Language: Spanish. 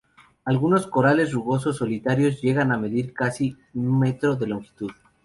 Algunos corales rugosos solitarios llegan a medir casi un metro de longitud.